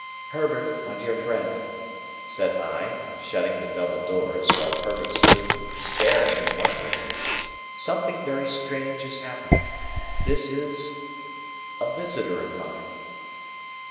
"Herbert, my dear friend," said I, shutting the double doors, while Herbert stood staring and wondering, "something very strange has happened. This is—a visitor of mine."